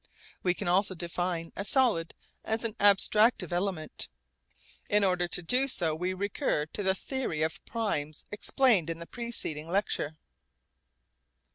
We can also define a solid as an abstractive element. In order to do so we recur to the theory of primes explained in the preceding lecture.